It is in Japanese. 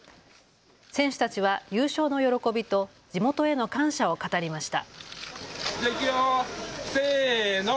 選手たちは優勝の喜びと地元への感謝を語りました。